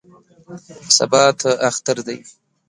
سبا ته اختر دی.